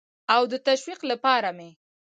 او د تشویق لپاره مې